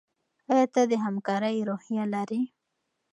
ایا ته د همکارۍ روحیه لرې؟